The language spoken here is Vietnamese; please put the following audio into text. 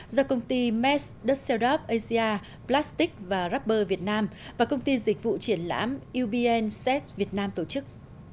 do công ty mesh dust setup asia plastic và rubber việt nam và công ty dịch vụ triển lãm ubnset việt nam tổ chức